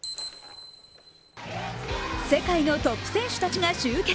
世界のトップ選手たちが集結。